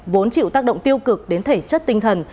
vốn chịu tác động tiêu cực đến thể chất tinh thần